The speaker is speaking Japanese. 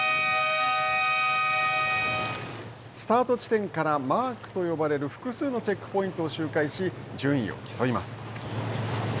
スタート地点からマークと呼ばれる複数のチェックポイントを周回し順位を競います。